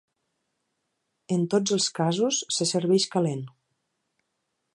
En tots els casos se serveix calent.